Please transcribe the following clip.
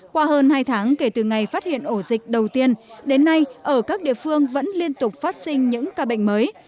qua hơn hai tháng kể từ ngày phát hiện ổ dịch đầu tiên đến nay ở các địa phương vẫn liên tục phát sinh những ca bệnh mới